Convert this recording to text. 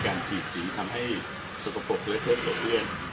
การขีดหินทำให้สุขโพรคและเครกษ์ต่อเพลื่อน